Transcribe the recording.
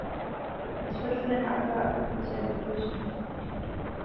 Das wird von den Abgeordneten sehr begrüßt und respektiert.